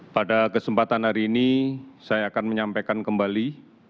pada kesempatan hari ini saya akan menyampaikan kembali